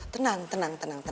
tenang tenang charge